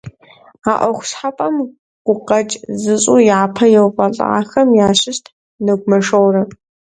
А ӏуэху щхьэпэм гукъэкӏ зыщӏу япэ еувэлӏахэм ящыщт Нэгумэ Шорэ.